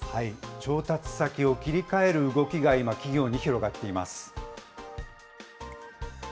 調達先を切り替える動きが今、企業に広がっています。